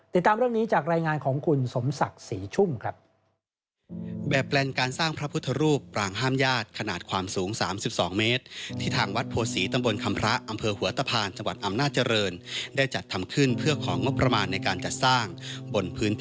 ติดตามเรื่องนี้จากรายงานของคุณสมศักดิ์ศรีชุ่มครับ